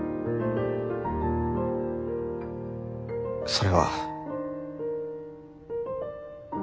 それは。